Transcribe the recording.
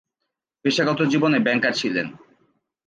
পেশাগত জীবনে ব্যাংকার ছিলেন।